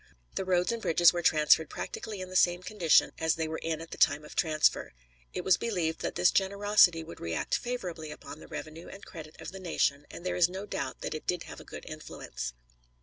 The roads and bridges were transferred practically in the same condition as they were in at the time of transfer. It was believed that this generosity would react favorably upon the revenue and credit of the nation, and there is no doubt that it did have a good influence.